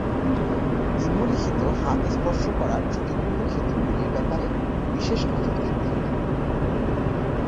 নিম্নলিখিত হাত স্পর্শ করার ঝুঁকিপূর্ণ ক্ষেত্রগুলির ব্যাপারে বিশেষ নজর দিতে হবে।